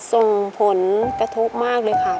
ส่งผลกระทบมากเลยค่ะ